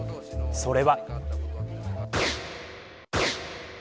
それは。